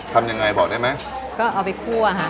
ทำยังไงบอกได้ไหมก็เอาไปคั่วค่ะ